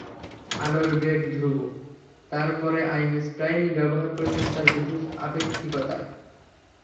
আলোর বেগ ধ্রুব—তা পরে আইনস্টাইনই ব্যবহার করেছেন তাঁর বিশেষ আপেক্ষিকতায়।